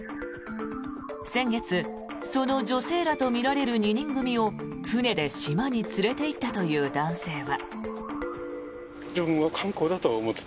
先月その女性らとみられる２人組を船で島に連れていったという男性は。